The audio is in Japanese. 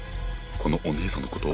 このお姉さんのこと？